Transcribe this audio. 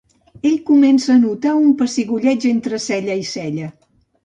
Ell comença a notar un pessigolleig entre cella i cella.